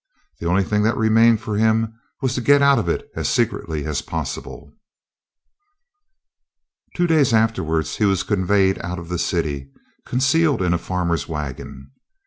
The only thing that remained for him was to get out of it as secretly as possible. Two days afterwards he was conveyed out of the city concealed in a farmer's wagon.